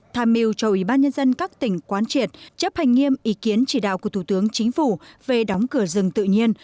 tham mưu cho ủy ban nhân dân các tỉnh quán triệt chấp hành nghiêm ý kiến chỉ đạo của thủ tướng chính phủ về đóng cửa rừng tự nhiên